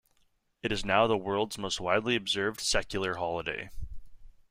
It is now the world's most widely observed secular holiday.